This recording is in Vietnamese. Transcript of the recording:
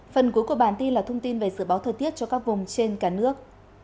phần cuối của bản tin là thông tin về dự báo thời tiết cho các vùng trên cả nước